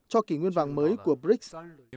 cho kỳ nguyên vàng mới của brics